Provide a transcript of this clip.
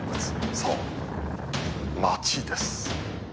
そう、街です。